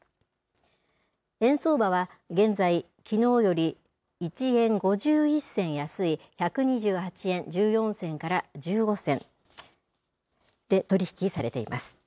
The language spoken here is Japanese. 円相場は、現在、きのうより１円５１銭安い１２８円１４銭から１５銭で取り引きされています。